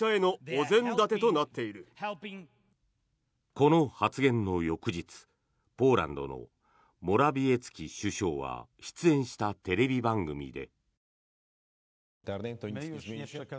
この発言の翌日ポーランドのモラビエツキ首相は出演したテレビ番組で。